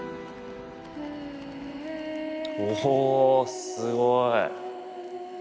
おぉすごい！